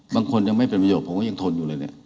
บางคนยังไม่เป็นวุยบผมก็เป็นคนที่ทนอยู่เลย